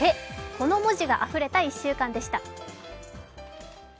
この文字があふれた１週間でした。